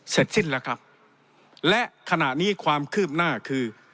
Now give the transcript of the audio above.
เสร็จสิ้นแล้วครับและขณะนี้ความคืบหน้าคือ